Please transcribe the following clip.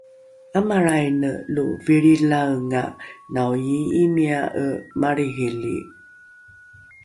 ’amalraine lo vilrilaenga naoii’imia’e malrihili